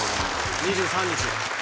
２３日